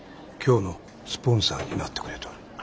今日のスポンサーになってくれとる。